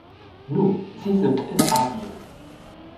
Nun, sie sind in Asien.